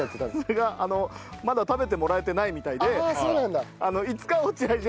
それがあのまだ食べてもらえてないみたいで。